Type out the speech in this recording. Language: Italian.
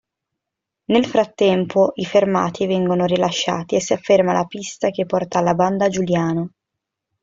Nel frattempo, i fermati vengono rilasciati e si afferma la pista che porta alla banda Giuliano.